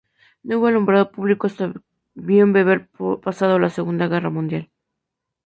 No hubo alumbrado público hasta bien haber pasado la Segunda Guerra Mundial.